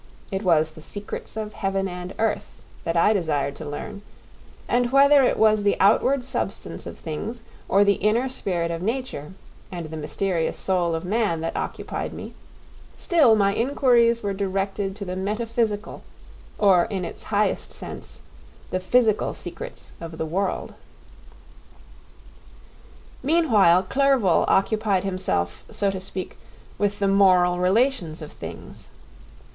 It was the secrets of heaven and earth that I desired to learn; and whether it was the outward substance of things or the inner spirit of nature and the mysterious soul of man that occupied me, still my inquiries were directed to the metaphysical, or in its highest sense, the physical secrets of the world. Meanwhile Clerval occupied himself, so to speak, with the moral relations of things.